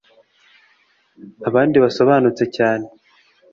Abandi basobanutse cyane